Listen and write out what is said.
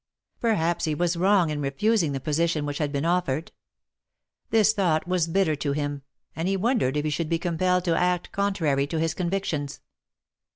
Perhaps he was wrong in refusing the position which had been offered. This thought was bitter to him, and he wondered if he should be compelled to act contrary to his convictions.